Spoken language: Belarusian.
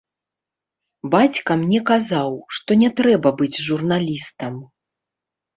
Бацька мне казаў, што не трэба быць журналістам.